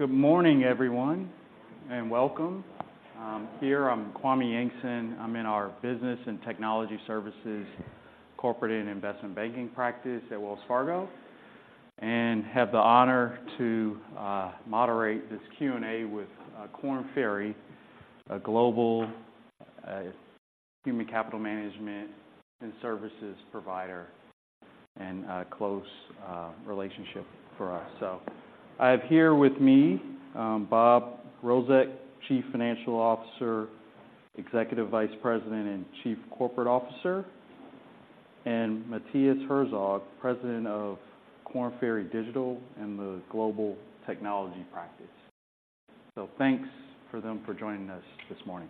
Good morning, everyone, and welcome. Here, I'm Kwame Yankson. I'm in our Business and Technology Services, Corporate and Investment Banking practice at Wells Fargo, and have the honor to moderate this Q&A with Korn Ferry, a global human capital management and services provider, and close relationship for us. So I have here with me, Bob Rozek, Chief Financial Officer, Executive Vice President, and Chief Corporate Officer, and Mathias Herzog, President of Korn Ferry Digital and the Global Technology Practice. So thanks for them for joining us this morning.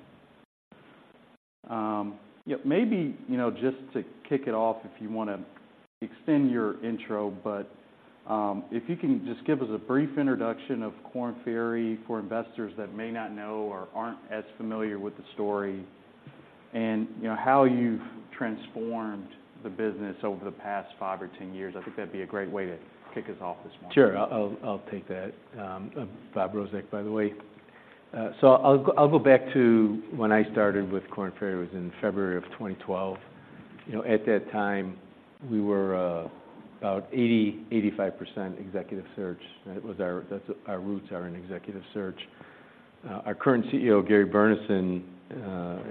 Yeah, maybe, you know, just to kick it off, if you want to extend your intro, but, if you can just give us a brief introduction of Korn Ferry for investors that may not know or aren't as familiar with the story, and, you know, how you've transformed the business over the past 5 or 10 years. I think that'd be a great way to kick us off this morning. Sure. I'll take that. I'm Bob Rozek, by the way. So I'll go back to when I started with Korn Ferry, it was in February of 2012. You know, at that time, we were about 80-85% Executive Search. That was our roots. That's our roots are in Executive Search. Our current CEO, Gary Burnison,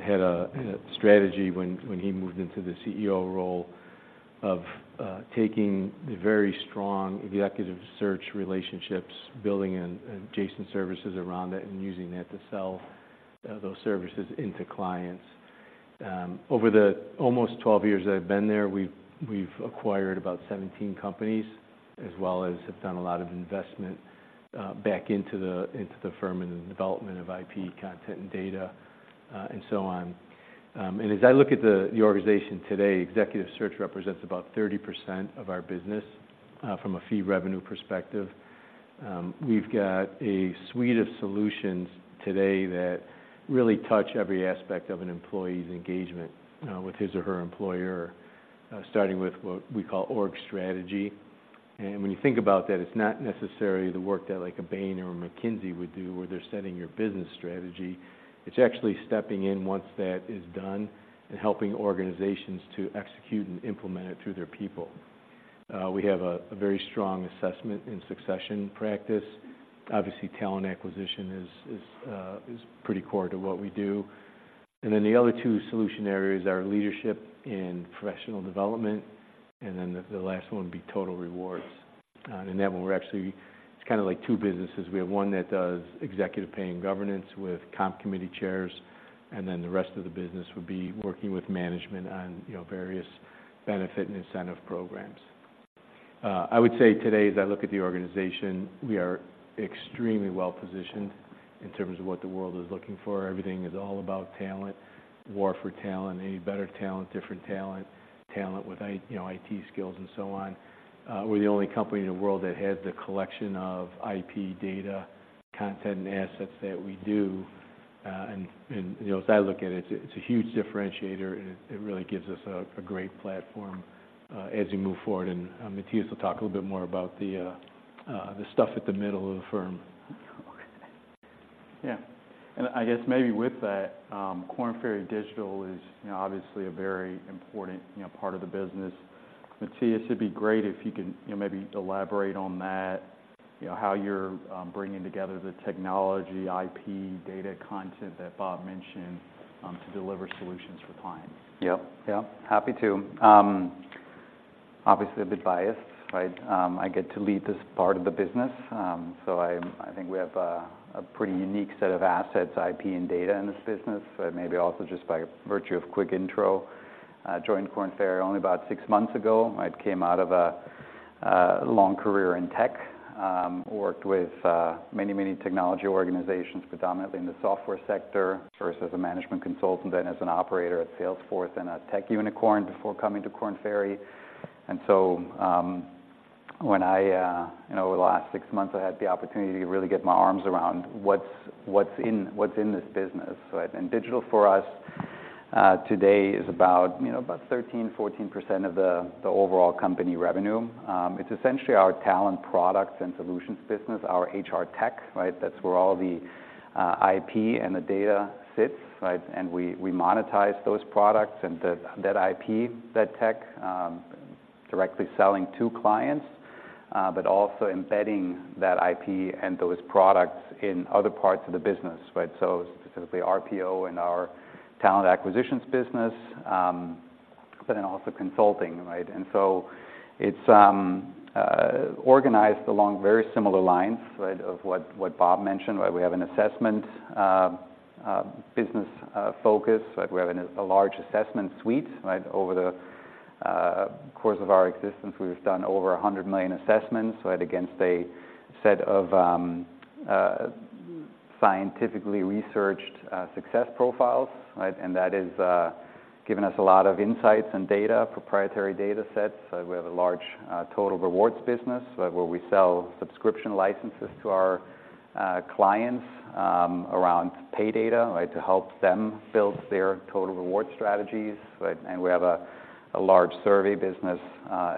had a strategy when he moved into the CEO role of taking the very strong Executive Search relationships, building an adjacent services around it, and using that to sell those services into clients. Over the almost 12 years that I've been there, we've acquired about 17 companies, as well as have done a lot of investment back into the firm and in the development of IP, content, and data, and so on. And as I look at the organization today, Executive Search represents about 30% of our business from a fee revenue perspective. We've got a suite of solutions today that really touch every aspect of an employee's engagement with his or her employer, starting with what we Org Strategy. and when you think about that, it's not necessarily the work that like a Bain or a McKinsey would do, where they're setting your business strategy. It's actually stepping in once that is done, and helping organizations to execute and implement it through their people. We have a very strong Assessment and Succession practice. Obviously, Talent Acquisition is pretty core to what we do. And then, the other two solution areas are Leadership and Professional Development, and then the last one would be Total Rewards. And that one, we're actually—it's kind of like two businesses. We have one that does Executive Pay & Governance with comp committee chairs, and then the rest of the business would be working with management on, you know, various benefit and incentive programs. I would say today, as I look at the organization, we are extremely well-positioned in terms of what the world is looking for. Everything is all about talent, war for talent, acquire better talent, different talent, talent with IT... You know, IT skills, and so on. We're the only company in the world that has the collection of IP data, content, and assets that we do. And, and, you know, as I look at it, it's a huge differentiator, and it, it really gives us a, a great platform, as we move forward. And, Mathias will talk a little bit more about the stuff at the middle of the firm. Yeah. And I guess maybe with that, Korn Ferry Digital is, you know, obviously a very important, you know, part of the business. Mathias, it'd be great if you can, you know, maybe elaborate on that. You know, how you're bringing together the technology, IP, data, content that Bob mentioned, to deliver solutions for clients. Yep. Yeah, happy to. Obviously, a bit biased, right? I get to lead this part of the business. So I think we have a pretty unique set of assets, IP, and data in this business. Maybe also just by virtue of quick intro, I joined Korn Ferry only about six months ago. I'd came out of a long career in tech. Worked with many, many technology organizations, predominantly in the software sector, first as a management consultant, then as an operator at Salesforce and a tech unicorn before coming to Korn Ferry. And so, when I... You know, over the last six months, I had the opportunity to really get my arms around what's in this business, right? Digital for us today is about, you know, about 13%-14% of the overall company revenue. It's essentially our talent products and solutions business, our HR tech, right? That's where all the IP and the data sits, right? And we monetize those products and that IP, that tech, directly selling to clients, but also embedding that IP and those products in other parts of the business, right? So specifically, RPO and our talent acquisitions business, but then also Consulting, right? And so it's organized along very similar lines, right, of what Bob mentioned, right? We have an assessment business focus, like we have a large assessment suite, right? Over the course of our existence, we've done over 100 million assessments, right, against a set of scientifically Success Profiles, right? And that has given us a lot of insights and data, proprietary data sets. We have a large Total Rewards business, right, where we sell subscription licenses to our clients around pay data, right? To help them build their total reward strategies, right? And we have a large survey business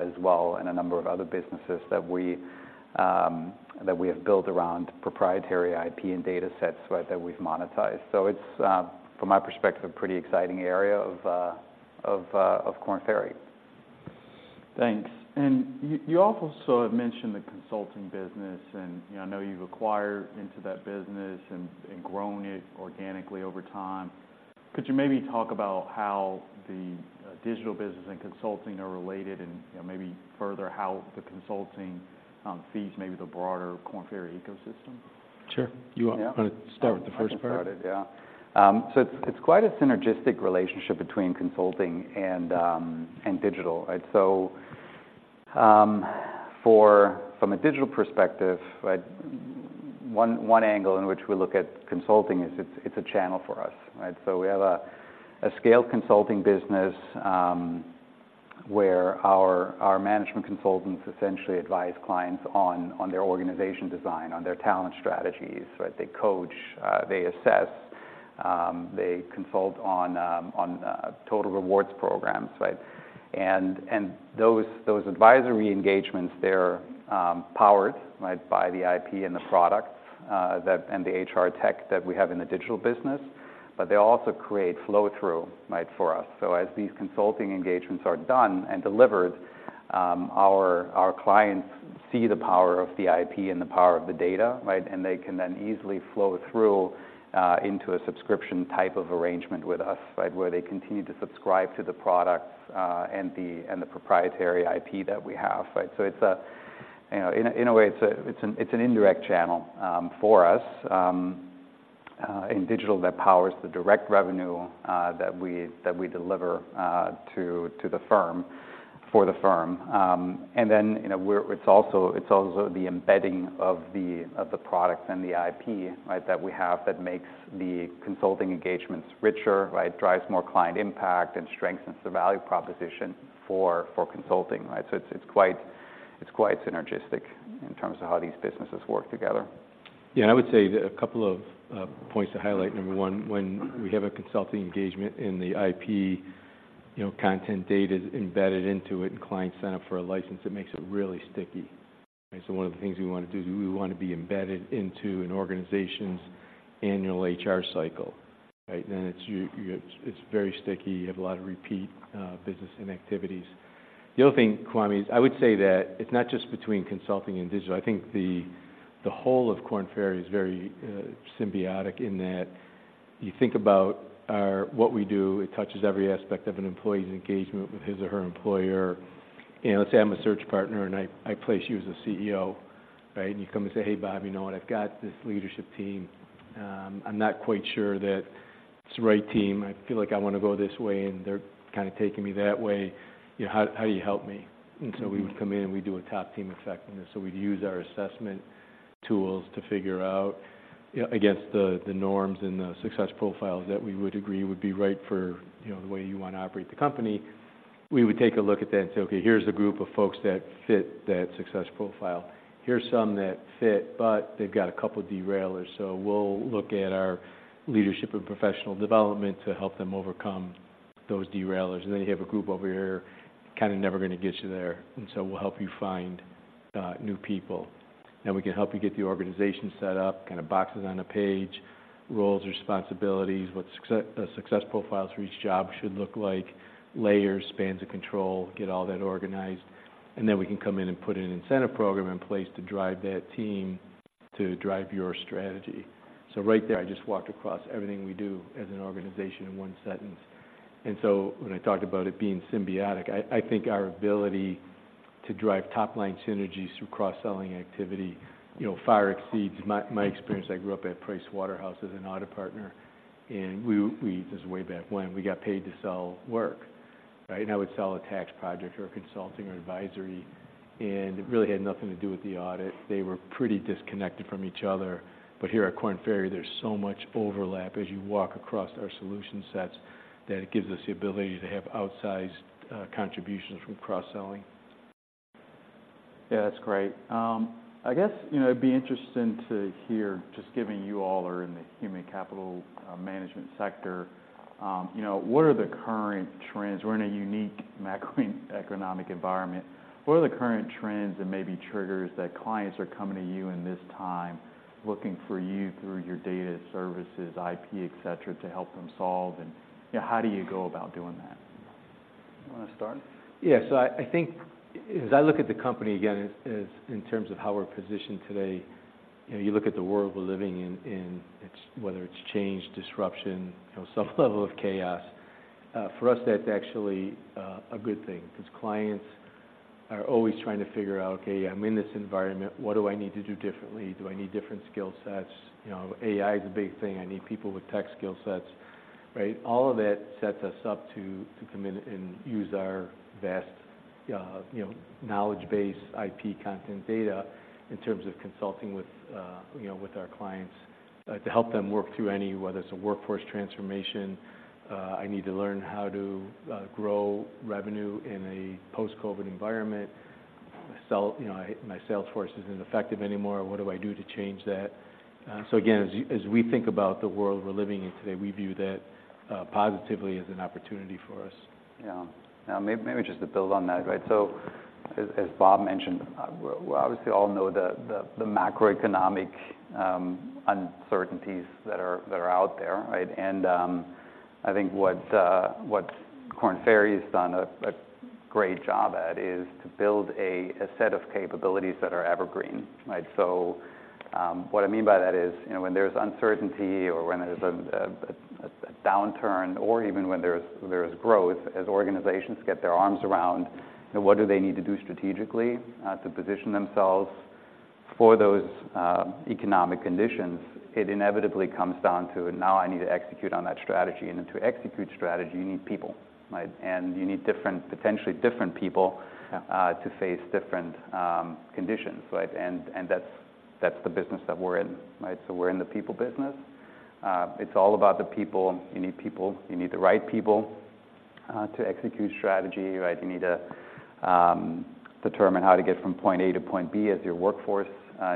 as well, and a number of other businesses that we have built around proprietary IP and data sets, right, that we've monetized. So it's from my perspective, a pretty exciting area of Korn Ferry. Thanks. And you also have mentioned the Consulting business, and, you know, I know you've acquired into that business and, and grown it organically over time. Could you maybe talk about how the Digital business and Consulting are related and, you know, maybe further how the Consulting feeds maybe the broader Korn Ferry ecosystem? Sure. You want- Yeah... wanna start with the first part? I can start it, yeah. So it's quite a synergistic relationship between Consulting and Digital, right? So from a Digital perspective, right, one angle in which we look at Consulting is it's a channel for us, right? So we have a scaled Consulting business, where our management consultants essentially advise clients on their organization design, on their talent strategies, right? They coach, they assess, they consult on Total Rewards programs, right? And those advisory engagements, they're powered, right, by the IP and the products that and the HR tech that we have in the Digital business, but they also create flow-through, right, for us. So as these Consulting engagements are done and delivered, our clients see the power of the IP and the power of the data, right? And they can then easily flow through into a subscription type of arrangement with us, right, where they continue to subscribe to the products and the proprietary IP that we have, right? So you know, in a way, it's an indirect channel for us in Digital that powers the direct revenue that we deliver to the firm for the firm. And then, you know, it's also the embedding of the products and the IP, right, that we have that makes the Consulting engagements richer, right? Drives more client impact and strengthens the value proposition for Consulting, right? So it's quite synergistic in terms of how these businesses work together. Yeah, and I would say that a couple of points to highlight. Number 1, when we have a Consulting engagement and the IP, you know, content data is embedded into it and clients sign up for a license, it makes it really sticky. Right? So one of the things we wanna do, we wanna be embedded into an organization's annual HR cycle, right? Then it's you-- it's, it's very sticky. You have a lot of repeat business and activities. The other thing, Kwame, is I would say that it's not just between Consulting and Digital. I think the whole of Korn Ferry is very symbiotic in that you think about our... what we do, it touches every aspect of an employee's engagement with his or her employer. You know, let's say I'm a search partner and I place you as a CEO, right? You come and say, "Hey, Bob, you know what? I've got this leadership team. I'm not quite sure that it's the right team. I feel like I wanna go this way, and they're kinda taking me that way. You know, how do you help me? And so we would come in, and we'd do a Top Team Effectiveness. So we'd use our assessment tools to figure out, you know, against the norms and Success Profiles that we would agree would be right for, you know, the way you wanna operate the company. We would take a look at that and say, "Okay, here's a group of folks that fit that Success Profile. Here's some that fit, but they've got a couple derailers, so we'll look at our Leadership and Professional Development to help them overcome those derailers. And then you have a group over here, kinda never gonna get you there, and so we'll help you find new people. Then we can help you get the organization set up, kinda boxes on a page, roles and responsibilities, Success Profiles for each job should look like, layers, spans of control, get all that organized, and then we can come in and put an incentive program in place to drive that team to drive your strategy." So right there, I just walked across everything we do as an organization in one sentence. When I talked about it being symbiotic, I think our ability to drive top-line synergies through cross-selling activity, you know, far exceeds my experience. I grew up at Price Waterhouse as an audit partner, and we. This is way back when we got paid to sell work, right? And I would sell a tax project or a Consulting or advisory, and it really had nothing to do with the audit. They were pretty disconnected from each other. But here at Korn Ferry, there's so much overlap as you walk across our solution sets, that it gives us the ability to have outsized contributions from cross-selling. Yeah, that's great. I guess, you know, it'd be interesting to hear, just given you all are in the human capital management sector, you know, what are the current trends? We're in a unique macroeconomic environment. What are the current trends and maybe triggers that clients are coming to you in this time, looking for you through your data services, IP, et cetera, to help them solve, and, you know, how do you go about doing that? You wanna start? Yeah, so I think as I look at the company again, as in terms of how we're positioned today, you know, you look at the world we're living in, and it's whether it's change, disruption, you know, some level of chaos, for us, that's actually a good thing. Because clients are always trying to figure out: "Okay, I'm in this environment. What do I need to do differently? Do I need different skill sets? You know, AI is a big thing. I need people with tech skill sets," right? All of that sets us up to come in and use our vast, you know, knowledge base, IP, content, data, in terms of Consulting with, you know, with our clients.... To help them work through any, whether it's a workforce transformation, I need to learn how to grow revenue in a post-COVID environment. You know, my sales force isn't effective anymore, what do I do to change that? So again, as we think about the world we're living in today, we view that positively as an opportunity for us. Yeah. Now, maybe just to build on that, right? So as Bob mentioned, we obviously all know the macroeconomic uncertainties that are out there, right? And, I think what Korn Ferry has done a great job at is to build a set of capabilities that are evergreen, right? So, what I mean by that is, you know, when there's uncertainty or when there's a downturn or even when there's growth, as organizations get their arms around, you know, what do they need to do strategically to position themselves for those economic conditions, it inevitably comes down to, "Now I need to execute on that strategy." And to execute strategy, you need people, right? And you need different, potentially different people- Yeah... to face different conditions, right? And that's the business that we're in, right? So we're in the people business. It's all about the people. You need people. You need the right people to execute strategy, right? You need to determine how to get from point A to point B as your workforce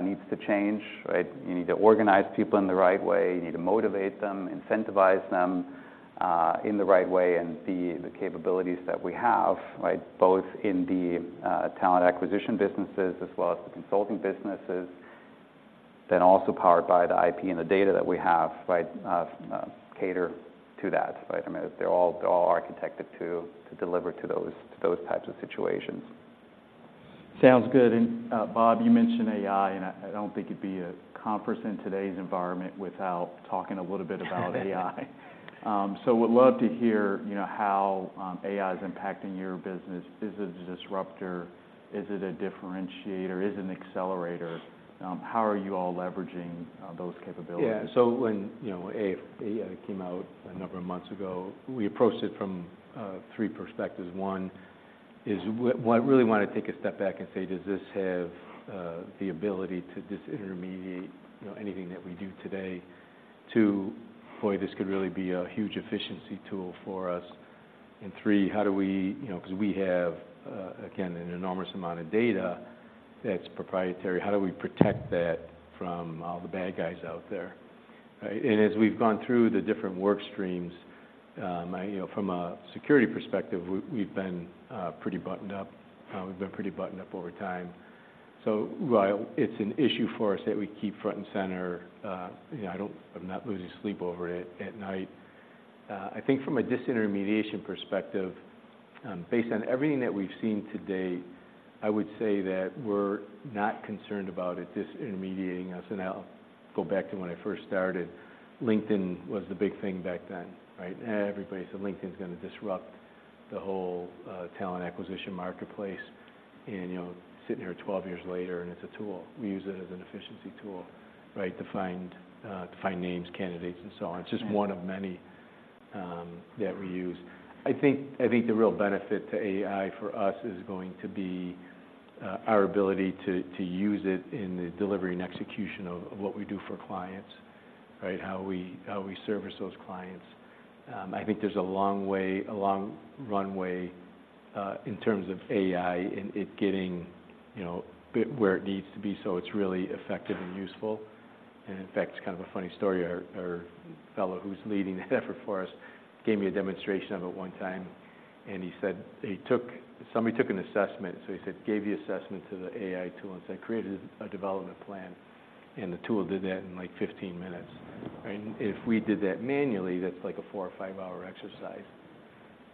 needs to change, right? You need to organize people in the right way, you need to motivate them, incentivize them in the right way, and the capabilities that we have, right? Both in the Talent Acquisition businesses as well as the Consulting businesses, then also powered by the IP and the data that we have, right? cater to that, right? I mean, they're all architected to deliver to those types of situations. Sounds good. And, Bob, you mentioned AI, and I don't think it'd be a conference in today's environment without talking a little bit about AI. So would love to hear, you know, how AI is impacting your business. Is it a disruptor? Is it a differentiator? Is it an accelerator? How are you all leveraging those capabilities? Yeah. So when, you know, AI came out a number of months ago, we approached it from three perspectives. One, well, I really wanna take a step back and say, "Does this have the ability to disintermediate, you know, anything that we do today?" Two, "Boy, this could really be a huge efficiency tool for us." And three, "How do we--" You know, 'cause we have, again, an enormous amount of data that's proprietary, how do we protect that from all the bad guys out there, right? And as we've gone through the different work streams, you know, from a security perspective, we've been pretty buttoned up. We've been pretty buttoned up over time. So while it's an issue for us, that we keep front and center, you know, I'm not losing sleep over it at night. I think from a disintermediation perspective, based on everything that we've seen to date, I would say that we're not concerned about it disintermediating us. I'll go back to when I first started, LinkedIn was the big thing back then, right? Everybody said LinkedIn's gonna disrupt the whole, Talent Acquisition marketplace. You know, sitting here 12 years later, and it's a tool. We use it as an efficiency tool, right? To find, to find names, candidates, and so on. Yeah. It's just one of many that we use. I think the real benefit to AI for us is going to be our ability to use it in the delivery and execution of what we do for clients, right? How we service those clients. I think there's a long runway in terms of AI, and it getting, you know, to where it needs to be, so it's really effective and useful. And in fact, it's kind of a funny story. Our fellow who's leading the effort for us gave me a demonstration of it one time, and he said, "He took—somebody took an assessment," so he said, "gave the assessment to the AI tool," and said, "Created a development plan, and the tool did that in, like, 15 minutes." And if we did that manually, that's like a 4- or 5-hour exercise.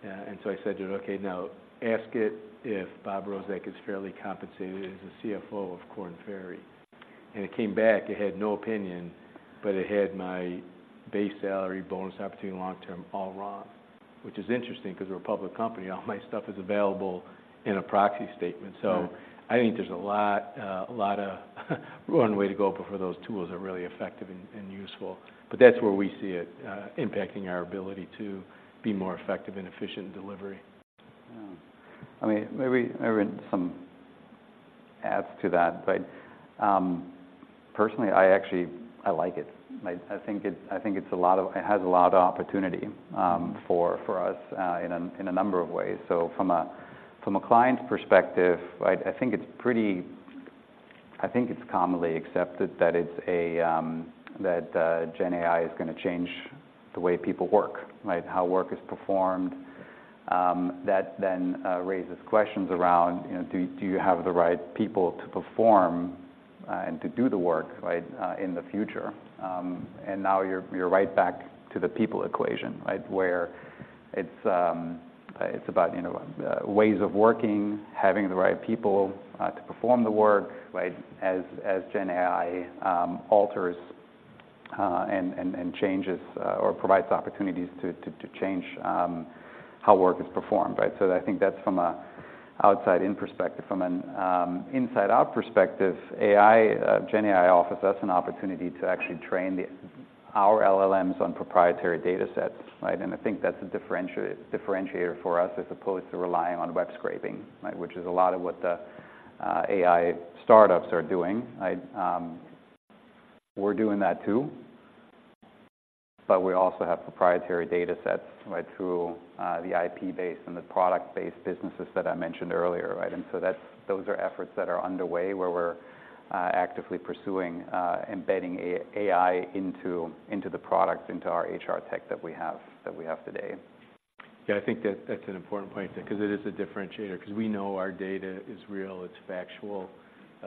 And so I said to him: "Okay, now ask it if Bob Rozek is fairly compensated as the CFO of Korn Ferry." And it came back, it had no opinion, but it had my base salary, bonus opportunity, long-term, all wrong. Which is interesting, because we're a public company, all my stuff is available in a proxy statement. Right. So I think there's a lot of runway to go before those tools are really effective and useful. But that's where we see it impacting our ability to be more effective and efficient in delivery. Yeah. I mean, maybe, maybe some adds to that, but, personally, I actually, I like it. I, I think it's, I think it has a lot of opportunity, for, for us, in a, in a number of ways. So from a, from a client's perspective, I, I think it's commonly accepted that Gen AI is gonna change the way people work, right? How work is performed. That then raises questions around, you know, do, do you have the right people to perform, and to do the work, right, in the future? And now you're, you're right back to the people equation, right? Where it's, it's about, you know, ways of working, having the right people to perform the work, right, as Gen AI alters and changes, or provides opportunities to change, how work is performed, right? So I think that's from an outside-in perspective. From an inside-out perspective, AI, Gen AI offers us an opportunity to actually train our LLMs on proprietary data sets, right? And I think that's a differentiator for us, as opposed to relying on web scraping, right? Which is a lot of what the AI startups are doing, right. We're doing that too, but we also have proprietary data sets, right, through the IP base and the product-based businesses that I mentioned earlier, right? Those are efforts that are underway, where we're actively pursuing embedding AI into the product, into our HR tech that we have today. Yeah, I think that's an important point, 'cause it is a differentiator, 'cause we know our data is real, it's factual,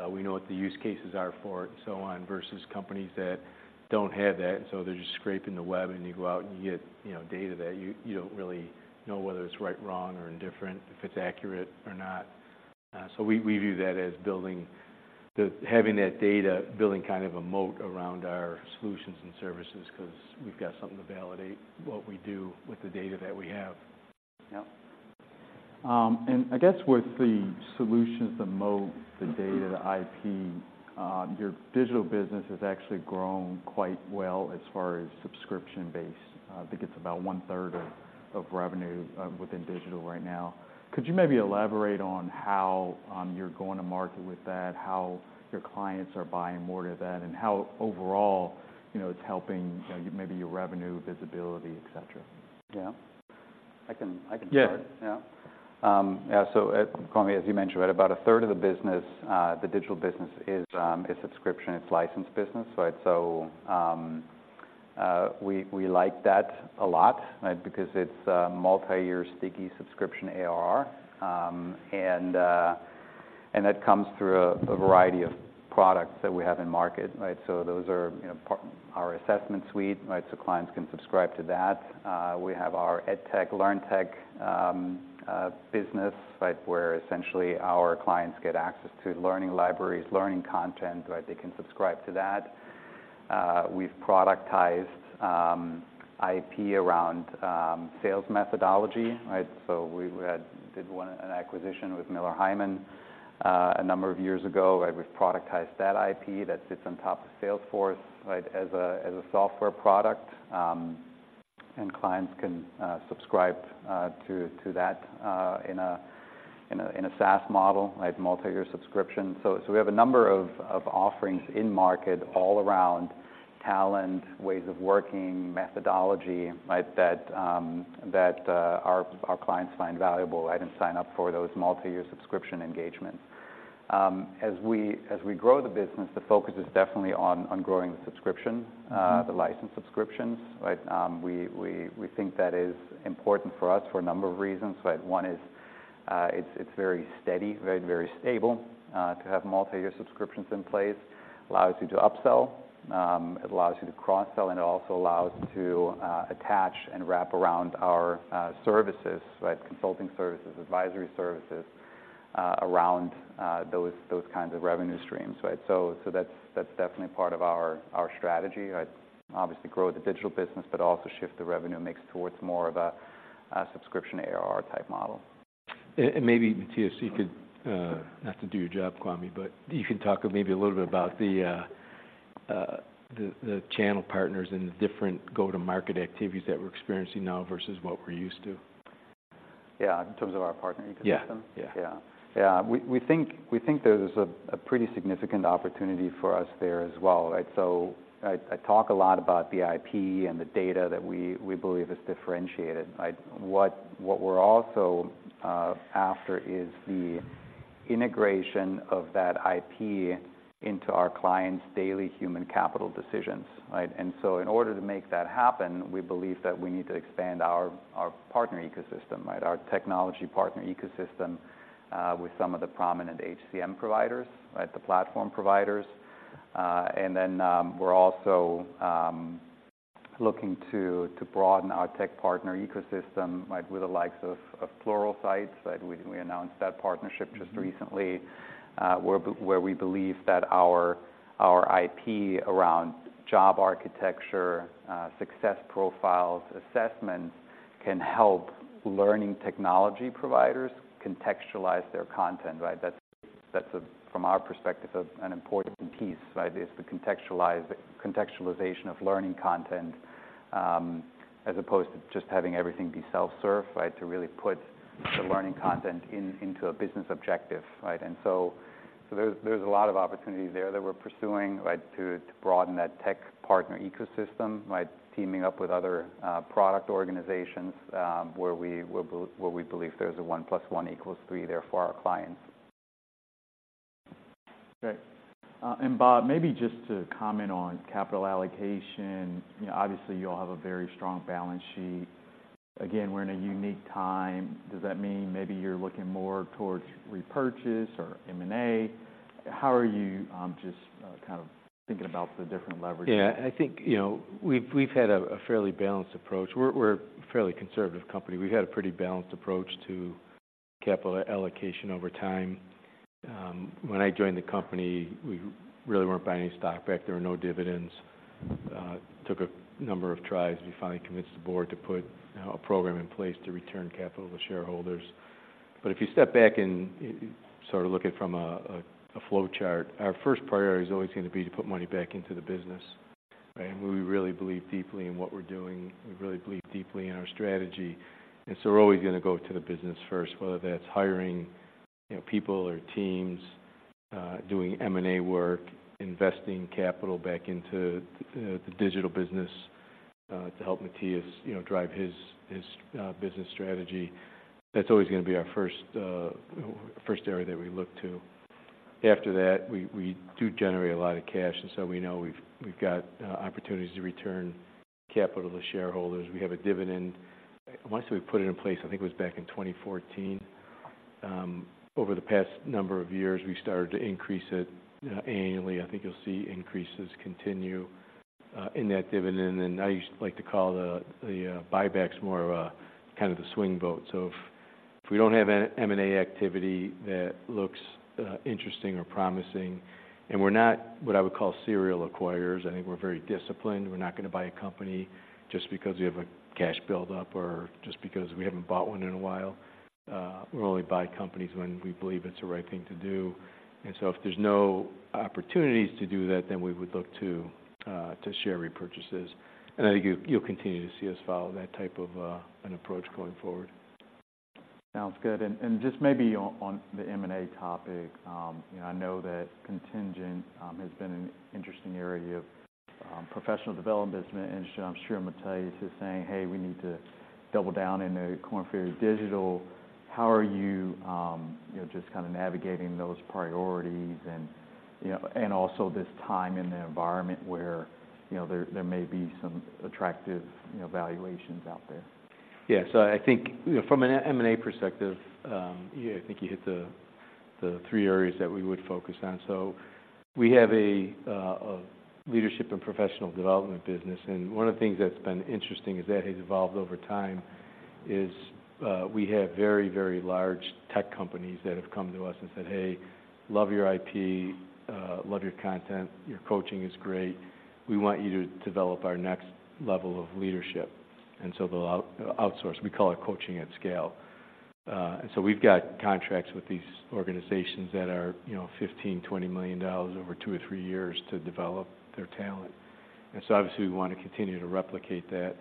we know what the use cases are for it and so on, versus companies that don't have that, so they're just scraping the web, and you go out and you get, you know, data that you don't really know whether it's right, wrong or indifferent, if it's accurate or not. So we view that as building, having that data, building kind of a moat around our solutions and services, 'cause we've got something to validate what we do with the data that we have. Yeah. And I guess with the solutions, the moat, the data, the IP, your Digital business has actually grown quite well as far as subscription base. I think it's about one third of revenue within Digital right now. Could you maybe elaborate on how you're going to market with that? How your clients are buying more to that, and how overall, you know, it's helping, you know, maybe your revenue, visibility, et cetera? Yeah. I can, I can start. Yeah. Yeah. Yeah, so, Kwame, as you mentioned, right, about a third of the business, the Digital business is, is subscription, it's licensed business, right? So, we, we like that a lot, right? Because it's a multi-year sticky subscription ARR. And, and that comes through a, a variety of products that we have in market, right? So those are, you know, our assessment suite, right? So clients can subscribe to that. We have our edtech, learn tech, business, right? Where essentially our clients get access to learning libraries, learning content, right? They can subscribe to that. We've productized, IP around, sales methodology, right? So we, we had, did one, an acquisition with Miller Heiman, a number of years ago, right? We've productized that IP that sits on top of Salesforce, right, as a software product. And clients can subscribe to that in a SaaS model, right, multi-year subscription. We have a number of offerings in market all around talent, ways of working, methodology, right, that our clients find valuable, right? And sign up for those multi-year subscription engagements. As we grow the business, the focus is definitely on growing the subscription the licensed subscriptions, right? We think that is important for us for a number of reasons, right? One is, it's very steady, very, very stable. To have multi-year subscriptions in place allows you to upsell, it allows you to cross-sell, and it also allows you to attach and wrap around our services, right, Consulting services, advisory services, around those kinds of revenue streams, right? So that's definitely part of our strategy, right? Obviously, grow the Digital business, but also shift the revenue mix towards more of a subscription ARR type model. Maybe, Mathias, you could, not to do your job, Kwame, but you can talk maybe a little bit about the channel partners and the different go-to-market activities that we're experiencing now versus what we're used to. Yeah, in terms of our partner ecosystem? Yeah. Yeah. Yeah. Yeah, we think there's a pretty significant opportunity for us there as well, right? So I talk a lot about the IP and the data that we believe is differentiated, right? What we're also after is the integration of that IP into our clients' daily human capital decisions, right? And so in order to make that happen, we believe that we need to expand our partner ecosystem, right, our technology partner ecosystem, with some of the prominent HCM providers, right, the platform providers. And then, we're also looking to broaden our tech partner ecosystem, right, with the likes of Pluralsight. So we announced that partnership just recently, where we believe that our IP around Job Success Profiles, assessments, can help learning technology providers contextualize their content, right? That's from our perspective an important piece, right, is the contextualization of learning content as opposed to just having everything be self-serve, right? To really put the learning content into a business objective, right? And so there's a lot of opportunity there that we're pursuing, right, to broaden that tech partner ecosystem by teaming up with other product organizations where we believe there's a one plus one equals three there for our clients. Great. And, Bob, maybe just to comment on capital allocation. You know, obviously, you all have a very strong balance sheet. Again, we're in a unique time. Does that mean maybe you're looking more towards repurchase or M&A? How are you just kind of thinking about the different levers? Yeah. I think, you know, we've had a fairly balanced approach. We're a fairly conservative company. We've had a pretty balanced approach to capital allocation over time. When I joined the company, we really weren't buying any stock back. There were no dividends. It took a number of tries, we finally convinced the board to put a program in place to return capital to shareholders.... But if you step back and sort of look at it from a flow chart, our first priority is always going to be to put money back into the business, right? And we really believe deeply in what we're doing, and we really believe deeply in our strategy. We're always going to go to the business first, whether that's hiring, you know, people or teams, doing M&A work, investing capital back into the Digital business to help Mathias, you know, drive his business strategy. That's always going to be our first area that we look to. After that, we do generate a lot of cash, and so we know we've got opportunities to return capital to shareholders. We have a dividend. Once we put it in place, I think it was back in 2014. Over the past number of years, we started to increase it annually. I think you'll see increases continue in that dividend. And I like to call the buybacks more of a kind of the swing boat. So if we don't have an M&A activity that looks interesting or promising, and we're not what I would call serial acquirers, I think we're very disciplined. We're not going to buy a company just because we have a cash buildup or just because we haven't bought one in a while. We only buy companies when we believe it's the right thing to do. And so if there's no opportunities to do that, then we would look to share repurchases. And I think you'll continue to see us follow that type of an approach going forward. Sounds good. And just maybe on the M&A topic, you know, I know that contingent has been an interesting area of professional development business, and I'm sure Mathias is saying, "Hey, we need to double down in the Korn Ferry Digital." How are you, you know, just kind of navigating those priorities, and, you know, and also this time in the environment where, you know, there may be some attractive, you know, valuations out there? Yeah. So I think, you know, from an M&A perspective, yeah, I think you hit the three areas that we would focus on. So we have a Leadership and Professional Development business, and one of the things that's been interesting is that has evolved over time, we have very, very large tech companies that have come to us and said, "Hey, love your IP, love your content. Your coaching is great. We want you to develop our next level of leadership." And so they'll outsource. We call it Coaching at Scale. And so we've got contracts with these organizations that are, you know, $15-$20 million over two or three years to develop their talent. And so obviously, we want to continue to replicate that.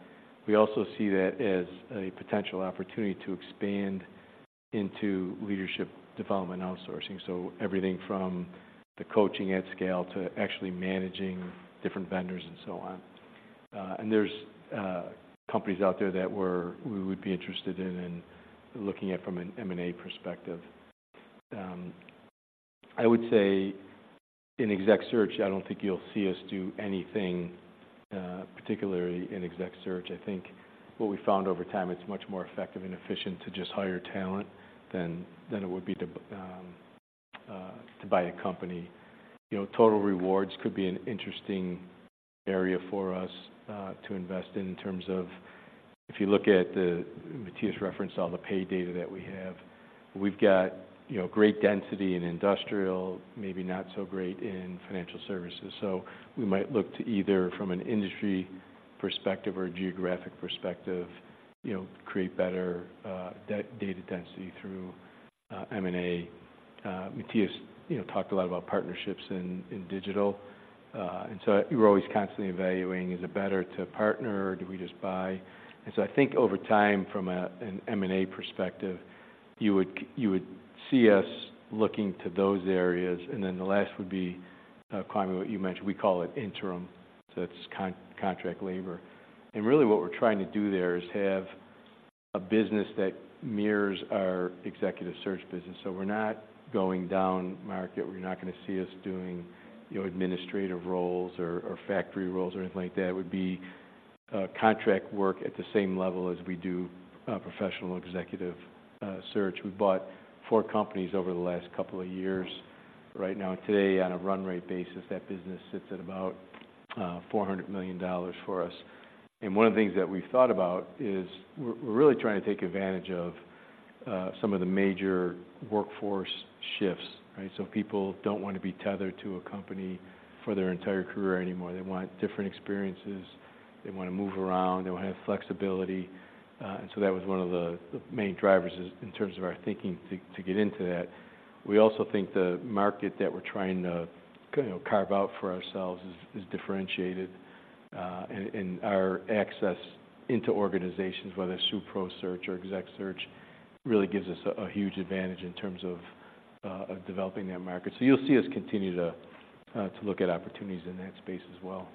We also see that as a potential opportunity to expand into leadership development outsourcing. So everything from the coaching at scale to actually managing different vendors, and so on. There's companies out there that we would be interested in and looking at from an M&A perspective. I would say in exec search, I don't think you'll see us do anything particularly in exec search. I think what we found over time, it's much more effective and efficient to just hire talent than it would be to buy a company. You know, Total Rewards could be an interesting area for us to invest in in terms of if you look at the Mathias referenced all the pay data that we have. We've got, you know, great density in industrial, maybe not so great in financial services. So we might look to either from an industry perspective or a geographic perspective, you know, create better data density through M&A. Mathias, you know, talked a lot about partnerships in Digital. And so we're always constantly evaluating, is it better to partner or do we just buy? And so I think over time, from an M&A perspective, you would see us looking to those areas. And then the last would be, Kwame, what you mentioned, we call it interim. So it's contract labor. And really, what we're trying to do there is have a business that mirrors our Executive Search business. So we're not going down market. We're not going to see us doing, you know, administrative roles or factory roles or anything like that. It would be, contract work at the same level as we do, professional Executive Search. We bought four companies over the last couple of years. Right now, today, on a run rate basis, that business sits at about $400 million for us. And one of the things that we've thought about is we're, we're really trying to take advantage of, some of the major workforce shifts, right? So people don't want to be tethered to a company for their entire career anymore. They want different experiences, they want to move around, they want to have flexibility. And so that was one of the, the main drivers in terms of our thinking to, to get into that. We also think the market that we're trying to kind of carve out for ourselves is differentiated, and our access into organizations, whether it's through Pro Search or Exec Search, really gives us a huge advantage in terms of developing that market. So you'll see us continue to look at opportunities in that space as well.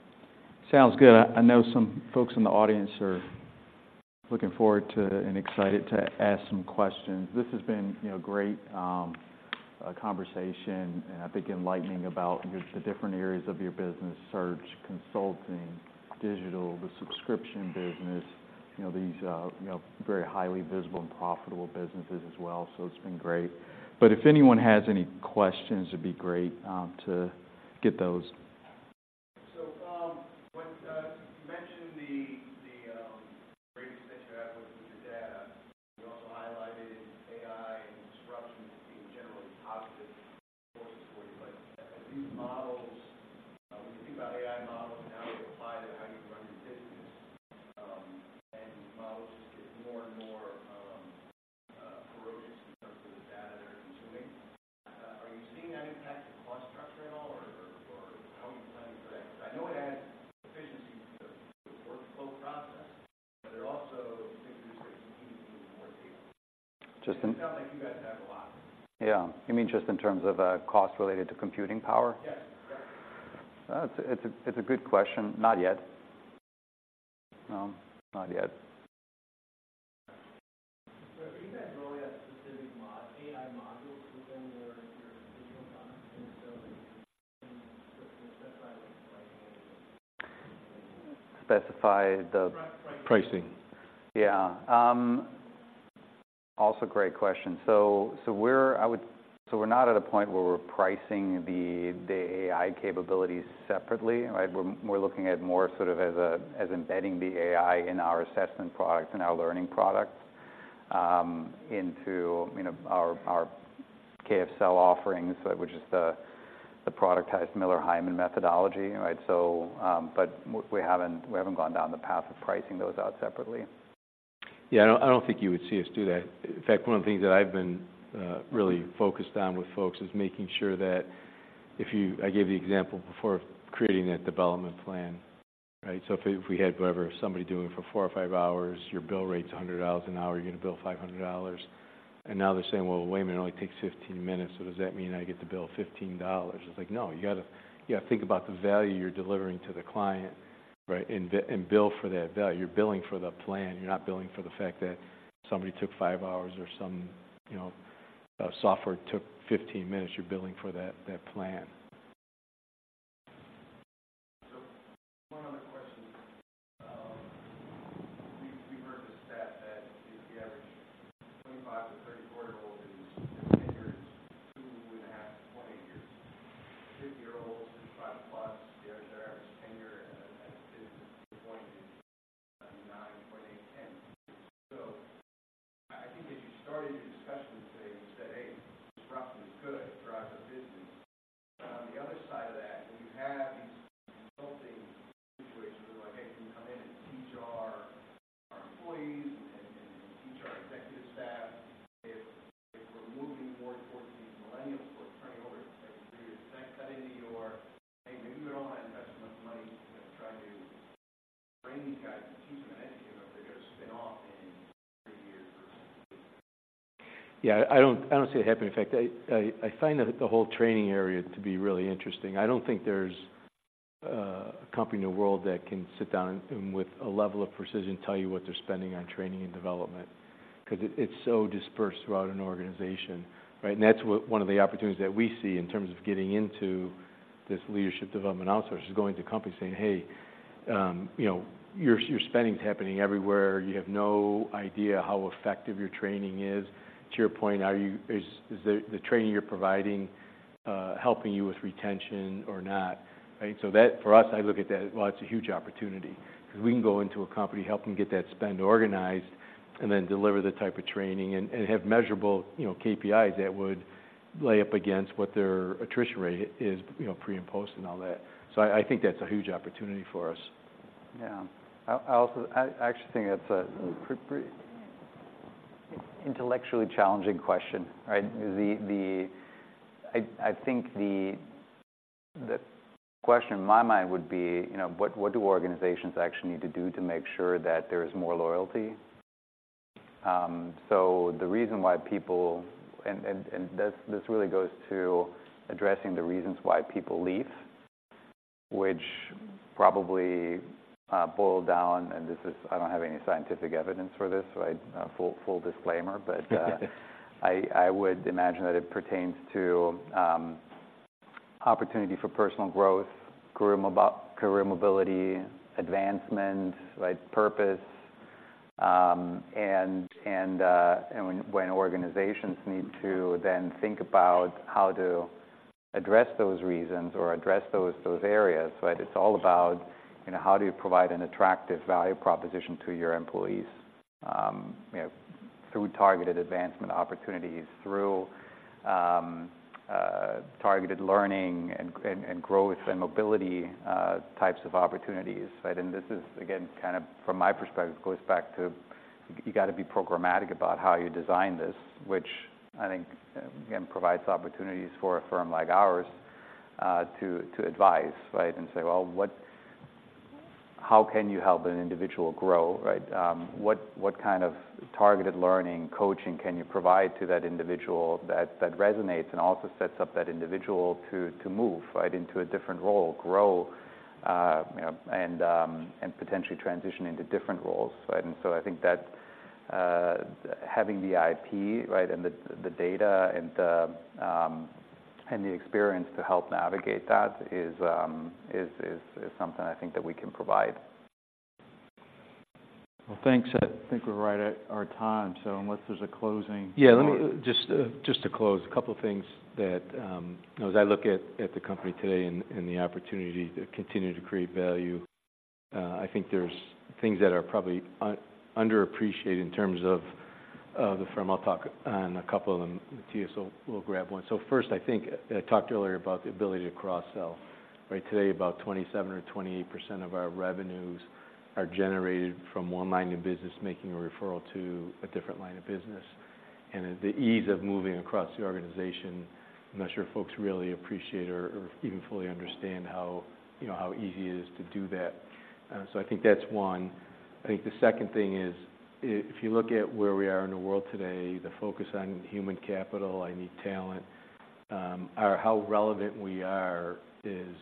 Sounds good. I know some folks in the audience are looking forward to and excited to ask some questions. This has been, you know, great, conversation, and I think enlightening about the different areas of your business, search, Consulting, Digital, the subscription business, you know, these very highly visible and profitable businesses as well. So it's been great. But if anyone has any questions, it'd be great to get those. So, when you mentioned the richness that you have with the data, you also highlighted AI and disruption as being generally positive. These models, when you think about AI models and how they apply to how you run your business, and the models just get more and more ferocious in terms of the data they're consuming. Are you seeing that impact the cost structure at all, or how are you planning for that? Because I know it adds efficiency to the workflow process, but they're also things that you need even more people. Just in- It sounds like you guys have a lot. Yeah. You mean just in terms of, cost related to computing power? Yes, correct. It's a good question. Not yet. No, not yet. So are you guys looking at specific AI modules within your, your Digital products, and so, like, you specify like a- Specify the- Pricing. Yeah. Also a great question. So we're not at a point where we're pricing the AI capabilities separately, right? We're looking at more sort of as a, as embedding the AI in our assessment products and our learning products into you know our KF Sell offerings, which is the productized Miller Heiman methodology, right? So but we haven't gone down the path of pricing those out separately. Yeah, I don't, I don't think you would see us do that. In fact, one of the things that I've been really focused on with folks is making sure that if you, I gave the example before of creating that development plan, right? So if, if we had whoever, somebody doing it for 4 or 5 hours, your bill rate's $100 an hour, you're gonna bill $500. And now they're saying: "Well, wait a minute, it only takes 15 minutes, so does that mean I get to bill $15?" It's like, "No, you gotta, you gotta think about the value you're delivering to the client, right? And bill, and bill for that value. You're billing for the plan, you're not billing for the fact that somebody took 5 hours or some, you know, software took 15 minutes. You're billing for that, that plan. To your point, are you? Is the training you're providing helping you with retention or not, right? So that, for us, I look at that. Well, it's a huge opportunity. 'Cause we can go into a company, help them get that spend organized, and then deliver the type of training and have measurable, you know, KPIs that would lay up against what their attrition rate is, you know, pre- and post- and all that. So I think that's a huge opportunity for us. Yeah. I also actually think that's a pretty intellectually challenging question, right? I think the question in my mind would be, you know, what do organizations actually need to do to make sure that there is more loyalty? So the reason why people... this really goes to addressing the reasons why people leave, which probably boil down, and this is, I don't have any scientific evidence for this, right? Full disclaimer. But I would imagine that it pertains to opportunity for personal growth, career mobility, advancement, right, purpose. And when organizations need to then think about how to address those reasons or address those areas, right? It's all about, you know, how do you provide an attractive value proposition to your employees, you know, through targeted advancement opportunities, through targeted learning and growth and mobility types of opportunities, right? And this is, again, kind of, from my perspective, goes back to, you gotta be programmatic about how you design this, which I think, again, provides opportunities for a firm like ours to advise, right? And say: Well, what, how can you help an individual grow, right? What kind of targeted learning, coaching can you provide to that individual that resonates and also sets up that individual to move, right, into a different role, grow, you know, and potentially transition into different roles, right? So I think that having the IP, right, and the data and the experience to help navigate that is something I think that we can provide. Well, thanks. I think we're right at our time, so unless there's a closing. Yeah, let me just to close, a couple of things that, you know, as I look at the company today and the opportunity to continue to create value, I think there's things that are probably underappreciated in terms of the firm. I'll talk on a couple of them. Mathias will grab one. So first, I think I talked earlier about the ability to cross-sell, right? Today, about 27% or 28% of our revenues are generated from one line of business, making a referral to a different line of business. And the ease of moving across the organization, I'm not sure if folks really appreciate or even fully understand how, you know, how easy it is to do that. So I think that's one. I think the second thing is, if you look at where we are in the world today, the focus on human capital, I need talent, are how relevant we are is...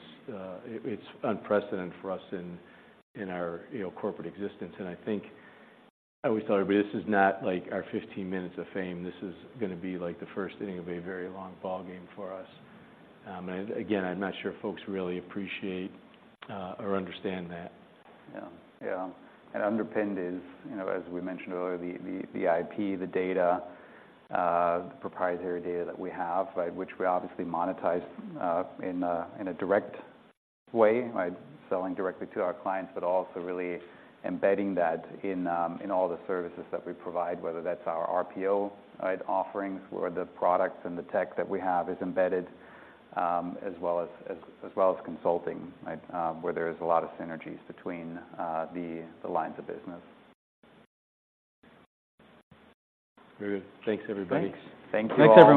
It's unprecedented for us in our, you know, corporate existence. And I think I always tell everybody: "This is not like our 15 minutes of fame. This is gonna be like the first inning of a very long ball game for us." And again, I'm not sure if folks really appreciate or understand that. Yeah. Yeah, and underpinned is, you know, as we mentioned earlier, the IP, the data, the proprietary data that we have, right? Which we obviously monetize in a direct way, right? Selling directly to our clients, but also really embedding that in all the services that we provide, whether that's our RPO, right? Offerings, where the products and the tech that we have is embedded, as well as Consulting, right? Where there is a lot of synergies between the lines of business. Very good. Thanks, everybody. Great. Thank you all. Thanks, everybody.